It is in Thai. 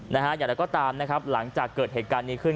อย่างไรก็ตามนะครับหลังจากเกิดเหตุการณ์นี้ขึ้น